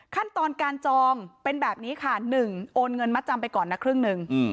ขั้นตอนการจองเป็นแบบนี้ค่ะ๑โอนเงินมัดจำไปก่อนนะครึ่งหนึ่ง